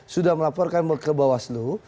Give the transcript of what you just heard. sudah melaporkan ke bawaslu